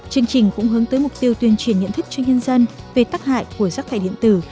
chương trình cũng hướng tới mục tiêu tuyên truyền nhận thức cho nhân dân về tác hại của rác thải điện tử